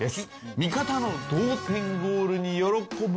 味方の同点ゴールに喜ぶ